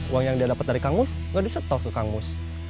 uang yang dia dapat dari kang mus nggak disetor ke kang mus